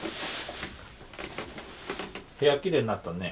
部屋きれいになったね。